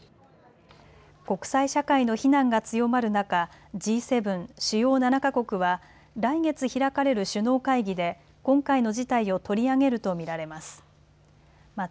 国際社会の非難が強まる中、Ｇ７・主要７か国は来月開かれる首脳会議で今回の事態を取り上げると見られます。